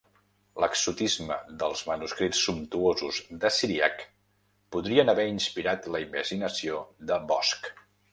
L'exotisme dels manuscrits sumptuosos de Cyriac podrien haver inspirat la imaginació de Bosch.